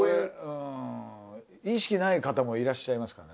意識ない方もいらっしゃいますけど。